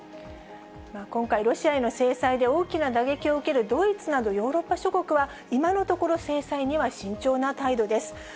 今回、ロシアへの制裁で大きな打撃を受けるドイツなどヨーロッパ諸国は、今のところ、制裁には慎重な態度です。